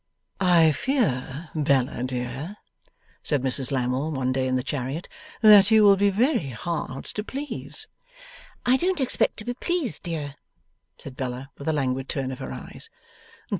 'I fear, Bella dear,' said Mrs Lammle one day in the chariot, 'that you will be very hard to please.' 'I don't expect to be pleased, dear,' said Bella, with a languid turn of her eyes.